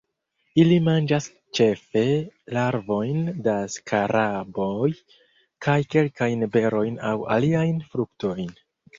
Ili manĝas ĉefe larvojn de skaraboj, kaj kelkajn berojn aŭ aliajn fruktojn.